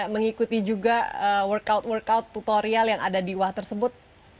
mengikuti juga workout workout tutorial yang ada di wah tersebut